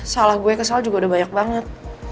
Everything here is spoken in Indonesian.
salah gue ke sal juga udah banyak banget